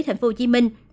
thành phú hồ chí minh